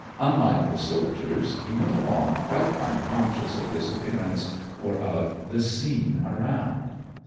Unlike the soldiers he went along quite unconscious of his appearance or of the scene around.